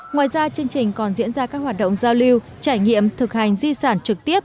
ngoài ra chương trình còn diễn ra các hoạt động giao lưu trải nghiệm thực hành di sản trực tiếp